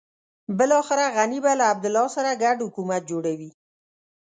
بلاخره غني به له عبدالله سره ګډ حکومت جوړوي.